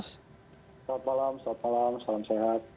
selamat malam selamat malam salam sehat